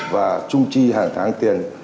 và trung chi hàng tháng tiền